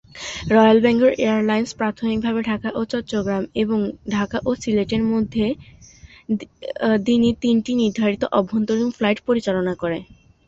Royal Bengal airline প্রাথমিকভাবে ঢাকা ও চট্টগ্রাম এবং ঢাকা ও সিলেট এর মধ্যে দিনে তিনটি নির্ধারিত অভ্যন্তরীন ফ্লাইট পরিচালনা করে।